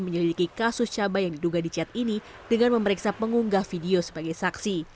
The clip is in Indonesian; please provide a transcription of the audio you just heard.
menyelidiki kasus cabai yang diduga dicat ini dengan memeriksa pengunggah video sebagai saksi